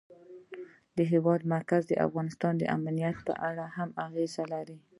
د هېواد مرکز د افغانستان د امنیت په اړه هم اغېز لري.